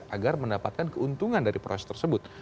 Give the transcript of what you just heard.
agar mendapatkan keuntungan dari proses tersebut